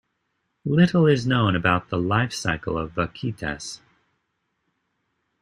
Little is known about the life cycle of vaquitas.